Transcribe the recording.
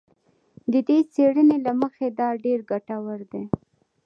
د دې څېړنې له مخې دا ډېر ګټور دی